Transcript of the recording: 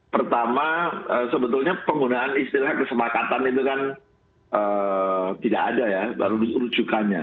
pertama sebetulnya penggunaan istilah kesepakatan itu kan tidak ada ya baru rujukannya